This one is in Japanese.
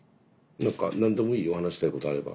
何か何でもいいよ話したいことあれば。